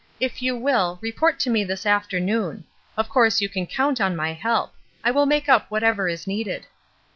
If you will, report to me this afternoon. Of course you can count on my help. I will make up whatever is needed."